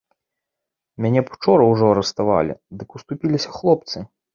Мяне б учора ўжо арыштавалі, дык уступіліся хлопцы.